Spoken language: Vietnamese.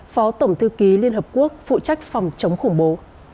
phó tổng thư ký liên hợp quốc phụ trách phòng chống khủng bố